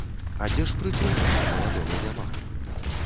А дзе ж прычына, што маладога няма?